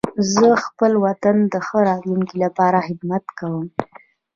زه خپل وطن د ښه راتلونکي لپاره خدمت کوم.